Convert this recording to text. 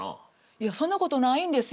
いやそんなことないんですよ。